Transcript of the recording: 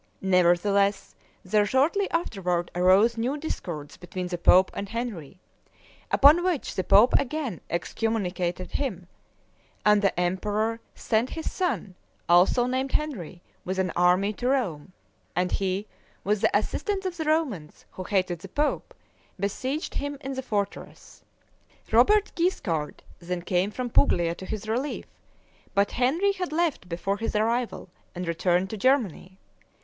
Nevertheless, there shortly afterward arose new discords between the pope and Henry; upon which the pope again excommunicated him, and the emperor sent his son, also named Henry, with an army to Rome, and he, with the assistance of the Romans, who hated the pope, besieged him in the fortress. Robert Guiscard them came from Puglia to his relief, but Henry had left before his arrival, and returned to Germany.